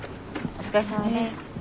お疲れさまです。